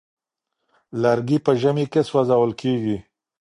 لرګي په ژمي کې سوزول کيږي.